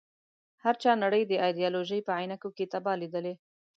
هر چا نړۍ د ایډیالوژۍ په عينکو کې تباه ليدله.